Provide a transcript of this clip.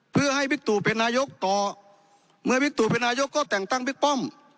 เพื่อให้บิ๊กตู่เป็นนายกต่อเมื่อบิ๊กตู่เป็นนายกก็แต่งตั้งบิ๊กป้อม